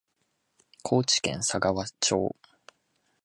高知県佐川町